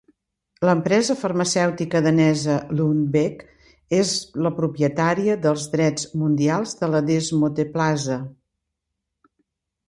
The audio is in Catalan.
L'empresa farmacèutica danesa Lundbeck és la propietària dels drets mundials de la desmoteplasa.